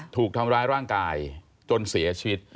ถูกทำร้ายร่างกายจนเสียชีวิต